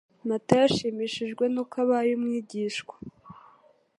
Matayo ashimishijwe nuko abaye umwigishwa,